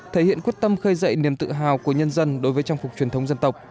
thể hiện quyết tâm khơi dậy niềm tự hào của nhân dân đối với trang phục truyền thống dân tộc